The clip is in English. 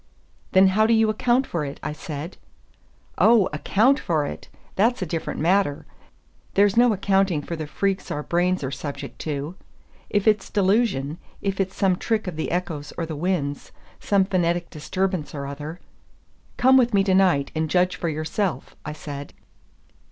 "Then how do you account for it?" I said. "Oh, account for it! that's a different matter; there's no accounting for the freaks our brains are subject to. If it's delusion, if it's some trick of the echoes or the winds, some phonetic disturbance or other " "Come with me to night, and judge for yourself," I said.